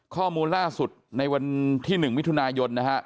ข้อมูลล่าสุดในวันที่๑มิถุนายนนะฮะ